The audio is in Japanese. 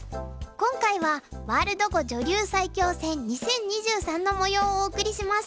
今回はワールド碁女流最強戦２０２３のもようをお送りします。